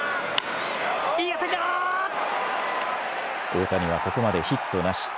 大谷はここまでヒットなし。